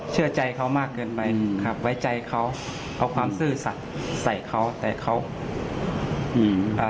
เชื่อใจเขามากเกินไปครับไว้ใจเขาเอาความสู้สัตว์ใส่เขา